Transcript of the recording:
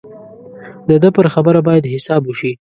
د ده پر خبره باید حساب وشي.